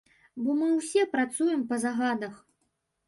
Бо мы ўсе працуем па загадах.